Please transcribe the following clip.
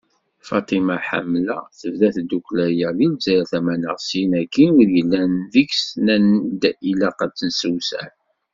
Faṭima Hamla: Tebda tddukkla-a di Lezzayer tamanaɣt, syin akkin wid yellan deg-s nnan-d ilaq ad nessewseɛ.